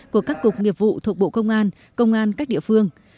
của các cục nghiệp vụ thuộc bộ công an công an các địa phương